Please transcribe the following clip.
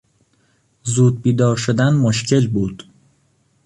زود بیدار شدن مشکل بود.